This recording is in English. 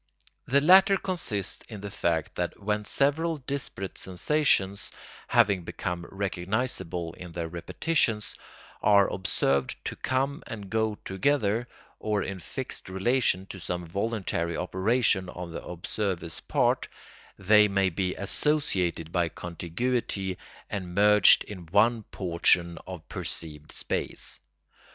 The latter consists in the fact that when several disparate sensations, having become recognisable in their repetitions, are observed to come and go together, or in fixed relation to some voluntary operation on the observer's part, they may be associated by contiguity and merged in one portion of perceived space.